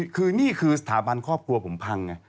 คือนี่คือสถาบันครอบครัวผมพังไง